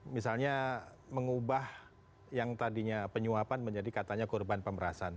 misalnya mengubah yang tadinya penyuapan menjadi katanya korban pemerasan